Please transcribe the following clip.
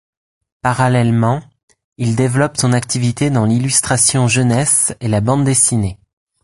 Parallèlement, il développe son activité dans l'illustration jeunesse et la bande dessinée.